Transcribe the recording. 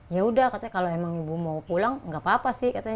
yaudah katanya kalau emang ibu mau pulang gak apa apa sih katanya